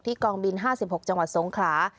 กองบิน๕๖จังหวัดสงขลา